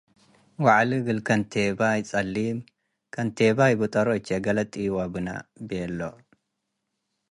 ወዐሊ እግል ከንቴባይ ጸሊም፤ “ከንቴባይ፡ ብጠሮ እቼ ገሌ ጢዋ ብነ” ቤሎ።